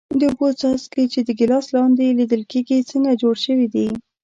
د اوبو څاڅکي چې د ګیلاس لاندې لیدل کیږي څنګه جوړ شوي دي؟